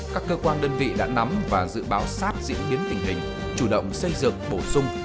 các cơ quan đơn vị đã nắm và dự báo sát diễn biến tình hình chủ động xây dựng bổ sung